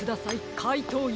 かいとうＵ！